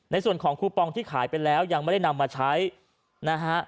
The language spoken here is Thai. ในส่วนของคูปองที่ขายไปแล้วยังไม่ได้นำมาใช้นะฮะ